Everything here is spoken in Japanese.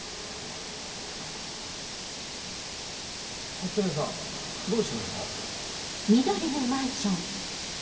初音さんどうしました？